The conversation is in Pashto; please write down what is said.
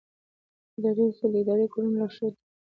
اداري اصول د ادارې د کړنو لارښود دي.